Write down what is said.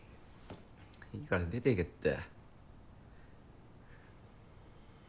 いいから出ていけって。